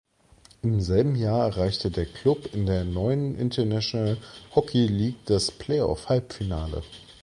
Im selben Jahr erreichte der Klub in der neuen International Hockey League das Playoff-Halbfinale.